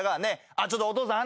ちょっとお父さん。